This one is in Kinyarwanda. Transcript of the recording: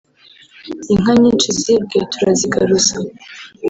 inka nyinshi zibwe turazigaruza